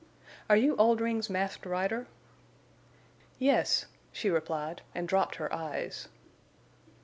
"Are you Oldring's Masked Rider?" "Yes," she replied, and dropped her eyes.